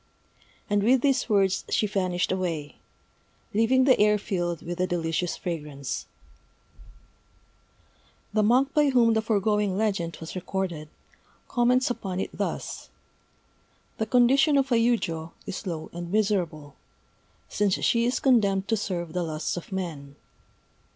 And with these words she vanished away, leaving the air filled with a delicious fragrance. The monk by whom the foregoing legend was recorded, comments upon it thus: The condition of a yujô is low and miserable, since she is condemned to serve the lusts of men.